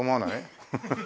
ハハハハ。